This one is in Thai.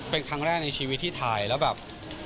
เป็นครั้งแรกในชีวิตที่ถ่ายแล้วแบบ